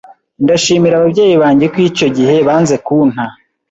ndashimira ababyeyi banjye ko icyo gihe banze kunta